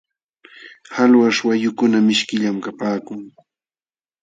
Qalwaśh wayukuna mishkillam kapaakun.